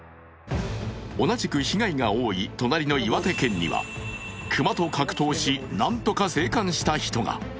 同じく被害が多い隣の岩手県には熊と格闘しなんとか生還した人が。